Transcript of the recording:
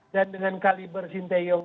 dan dengan kaliber sinteyong